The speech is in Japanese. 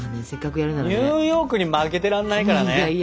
ニューヨークに負けてらんないからね。